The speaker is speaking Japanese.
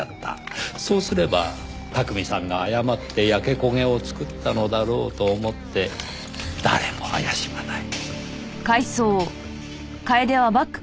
そうすれば巧さんが誤って焼け焦げを作ったのだろうと思って誰も怪しまない。